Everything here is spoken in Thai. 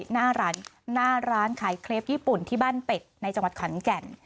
หน้าร้านขายเคลปญี่ปุ่นที่บ้านเป็ดในจังหวัดขอนแก่น